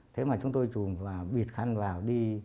thế mà chúng tôi trùm vào bịt khăn vào đi